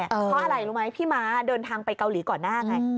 เพราะอะไรรู้ไหมพี่ม้าเดินทางไปเกาหลีก่อนหน้าไง